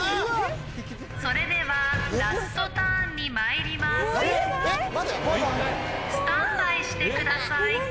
それではラストターンにまいえっ？スタンバイしてください。